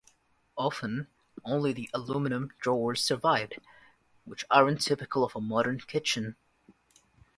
Often only the aluminium drawers survived, which aren't typical of a modern kitchen.